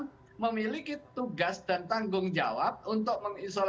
maka dia memiliki tugas dan tanggung jawab untuk menisipkan keadaan